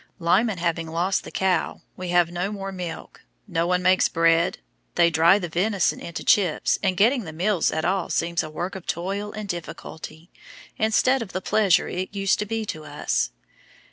Lyman having lost the ow, we have no milk. No one makes bread; they dry the venison into chips, and getting the meals at all seems a work of toil and difficulty, instead of the pleasure it used to be to us.